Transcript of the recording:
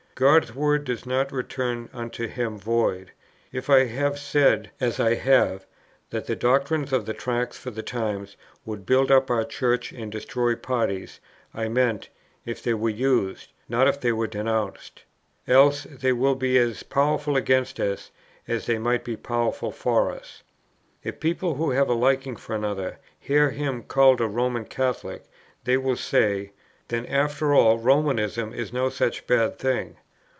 God's word does not return unto Him void: If I have said, as I have, that the doctrines of the Tracts for the Times would build up our Church and destroy parties, I meant, if they were used, not if they were denounced. Else, they will be as powerful against us, as they might be powerful for us. "If people who have a liking for another, hear him called a Roman Catholic; they will say, 'Then after all Romanism is no such bad thing.'